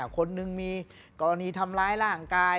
คนหนึ่งมีกรณีทำร้ายร่างกาย